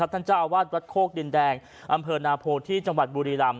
ท่านเจ้าอาวาสวัดโคกดินแดงอำเภอนาโพที่จังหวัดบุรีรำ